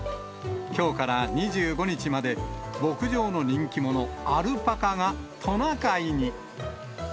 きょうから２５日まで、牧場の人気者、アルパカがトナカイに。